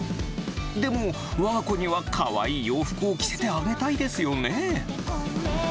でも、わが子にはかわいい洋服を着せてあげたいですよね。